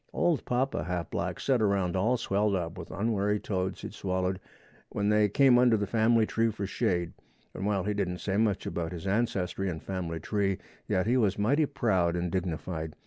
Old Papa Half Black set around all swelled up with unwary toads he'd swallowed when they came under the family tree for shade, and while he didn't say much about his ancestry and family tree, yet he was mighty proud and dignified.